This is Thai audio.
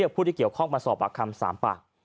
พูดที่เกี่ยวค้องมาสอบหักคำสามปะ